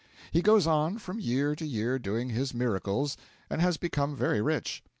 He goes on from year to year doing his miracles, and has become very rich.